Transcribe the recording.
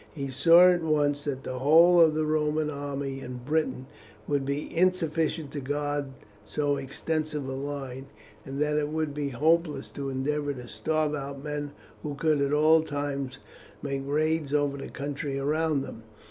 He saw at once that the whole of the Roman army in Britain would be insufficient to guard so extensive a line, and that it would be hopeless to endeavour to starve out men who could at all times make raids over the country around them.